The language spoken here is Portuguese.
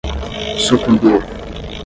sucumbir